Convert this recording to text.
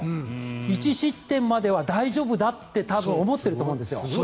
１失点までは大丈夫だって多分思っていると思うんですよ。